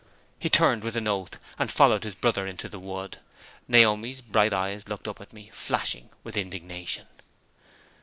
He turned with an oath, and followed his brother into the wood. Naomi's bright eyes looked up at me, flashing with indignation.